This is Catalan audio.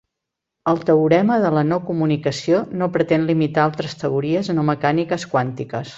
El teorema de la no-comunicació no pretén limitar altres teories no mecàniques quàntiques.